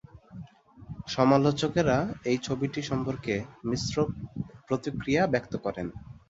সমালোচকেরা এই ছবিটি সম্পর্কে মিশ্র প্রতিক্রিয়া ব্যক্ত করেন।